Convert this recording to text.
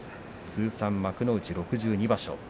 通算幕内６２場所。